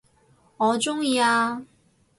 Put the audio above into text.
我鍾意啊